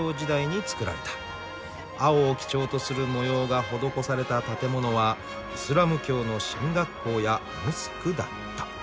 青を基調とする模様が施された建物はイスラム教の神学校やモスクだった。